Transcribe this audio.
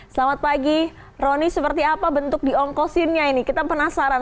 selamat pagi roni seperti apa bentuk diongkosinnya ini kita penasaran